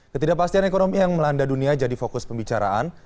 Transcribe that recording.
ketidakpastian ekonomi yang melanda dunia jadi fokus pembicaraan